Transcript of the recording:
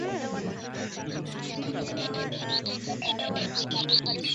পূর্বেই বলিয়াছি, এই আদর্শ সাধারণ মানবের ধারণার পক্ষে অধিকতর উপযোগী।